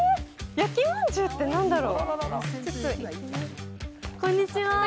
焼きまんじゅうって何だろう。